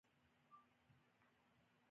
په صدقه ورکولو سره رزق زیاتېږي.